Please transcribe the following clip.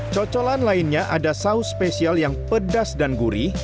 cocolan lainnya ada saus spesial yang pedas dan gurih